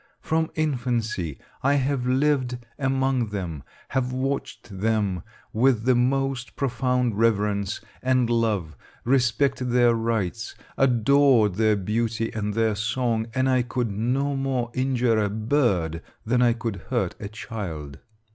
From infancy I have lived among them, have watched them with the most profound reverence and love, respected their rights, adored their beauty and their song, and I could no more injure a bird than I could hurt a child.